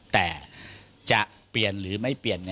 แต่จะเปลี่ยนหรือไม่เปลี่ยน